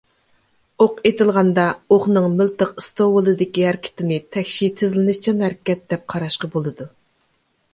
ئوق ئېتىلغاندا، ئوقنىڭ مىلتىق ئىستوۋۇلىدىكى ھەرىكىتىنى تەكشى تېزلىنىشچان ھەرىكەت دەپ قاراشقا بولىدۇ.